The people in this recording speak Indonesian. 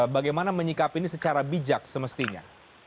bagaimana menyikap ini secara bijak semestinya